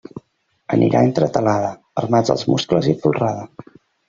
Anirà entretelada, armats els muscles i folrada.